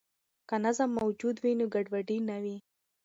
که نظم موجود وي، نو ګډوډي نه وي.